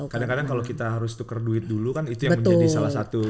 kadang kadang kalau kita harus tukar duit dulu kan itu yang menjadi salah satu